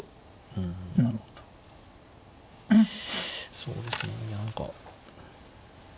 そうですね。何か。